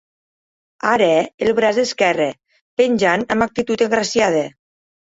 ...ara, el braç esquerre, penjant amb actitud agraciada